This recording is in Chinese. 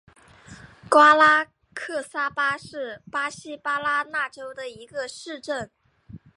瓜拉克萨巴是巴西巴拉那州的一个市镇。